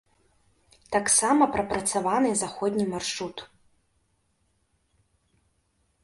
Таксама прапрацаваны заходні маршрут.